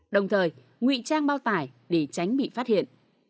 đồng thời ngụy trang bao tải để tránh bị phát hiện